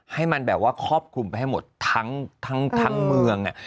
ให้มันแบบว่าครอบคลุมไปให้หมดทั้งเมือง